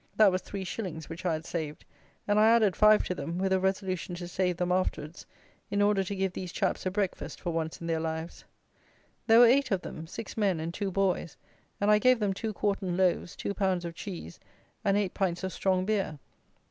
That was three shillings, which I had saved, and I added five to them, with a resolution to save them afterwards, in order to give these chaps a breakfast for once in their lives. There were eight of them, six men and two boys; and I gave them two quartern loaves, two pounds of cheese, and eight pints of strong beer.